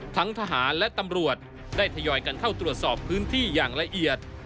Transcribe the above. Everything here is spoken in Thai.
ทั้งทหารและตำรวจได้ทยอยกันเข้าตรวจสอบพื้นที่อย่างละเอียด